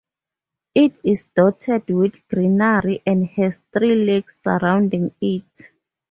It is dotted with greenery, and has three lakes surrounding it.